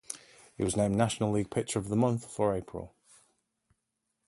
He was named National League Pitcher of the Month for April.